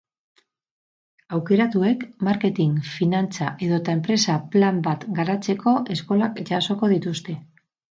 Aukeratuek, marketing, finantza edota enpresa plan bat garatzeko eskolak jasoko dituzte.